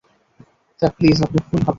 Sir, please, আপনি ভুল ভাবছেন।